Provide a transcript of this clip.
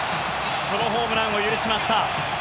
そのホームランを許しました。